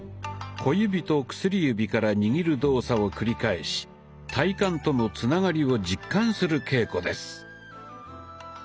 小指と薬指から握る動作を繰り返し体幹とのつながりを実感する稽古です。